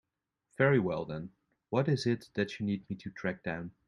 Very well then, what is it that you need me to track down?